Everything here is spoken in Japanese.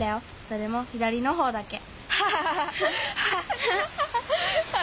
それも左の方だけ。